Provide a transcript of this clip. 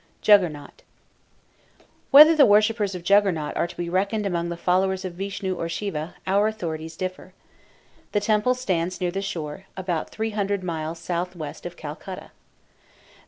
JUGGERNAUT Whether the worshippers of Juggernaut are to be reckoned among the followers of Vishnu or Siva, our authorities differ. The temple stands near the shore, about three hundred miles south west of Calcutta.